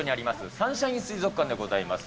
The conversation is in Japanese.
サンシャイン水族館でございます。